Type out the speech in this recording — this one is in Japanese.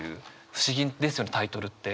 不思議ですよねタイトルって。